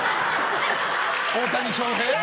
大谷翔平？